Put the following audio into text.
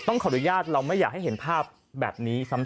ขออนุญาตเราไม่อยากให้เห็นภาพแบบนี้ซ้ำ